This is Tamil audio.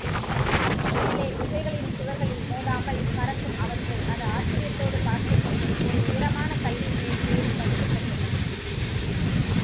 இருட்டிலே குகைகளின் சுவர்களில் மோதாமல் பறக்கும் அவற்றை அது ஆச்சரியத்தோடு பார்த்துக்கொண்டே ஒரு உயரமான கல்லின்மேல் ஏறிப் படுத்துக்கொண்டது.